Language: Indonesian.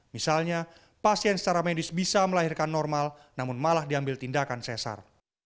misalnya pasien secara medis bisa melahirkan normal namun malah diambil tindakan sesar